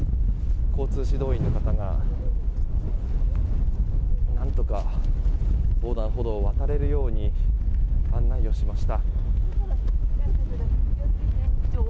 交通指導員の方が何とか、横断歩道を渡れるように案内をしました。